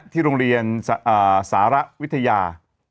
ที่โรงเรียนสารวิทยา